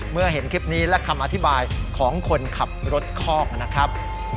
เมื่อเห็นคลิปนี้และคำอธิบายของคนขับรถคอกนะครับ